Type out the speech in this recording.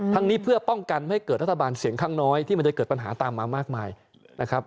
นี้เพื่อป้องกันไม่ให้เกิดรัฐบาลเสียงข้างน้อยที่มันจะเกิดปัญหาตามมามากมายนะครับ